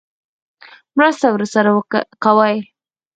مرسته ورسره کوي.